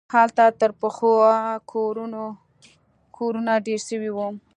هلته تر پخوا کورونه ډېر سوي وو.